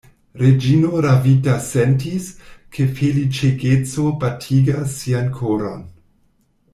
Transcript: Reĝino ravita sentis, ke feliĉegeco batigas sian koron.